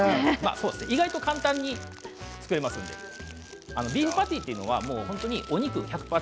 意外と簡単に作れますのでビーフパティというのはお肉１００％